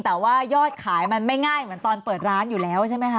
แต่ว่ายอดขายมันไม่ง่ายเหมือนตอนเปิดร้านอยู่แล้วใช่ไหมคะ